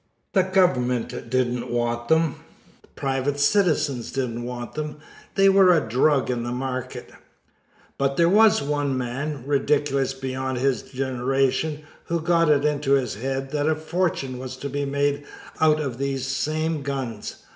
The government didn't want them; private citizens didn't want them; they were a drug in the market. But there was one man, ridiculous beyond his generation, who got it into his head that a fortune was to be made out of these same guns.